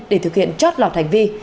để thực hiện chót lọt hành vi